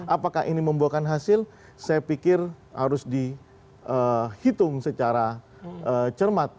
apakah ini membuahkan hasil saya pikir harus dihitung secara cermat